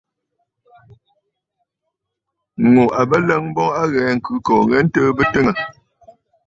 Ŋù à bə ləŋ boŋ a ghɛɛ ŋ̀khɨ̂kòò ghɛɛ ntɨɨ bɨ twiŋə̀.